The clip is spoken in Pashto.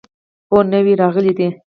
هو، نوي راغلي دي